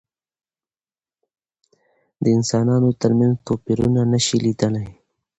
د انسانانو تر منځ توپيرونه نشي لیدلای.